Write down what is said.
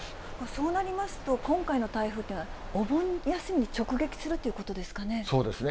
そうなりますと、今回の台風っていうのは、お盆休み直撃するそうですね。